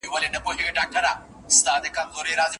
ستا له خندا نه الهامونه د غزل را اوري